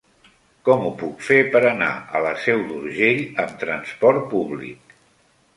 Com ho puc fer per anar a la Seu d'Urgell amb trasport públic?